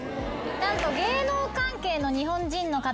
何と。